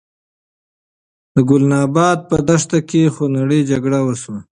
د ګلناباد په دښته کې خونړۍ جګړه وشوه.